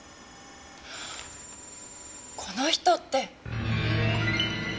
この人って！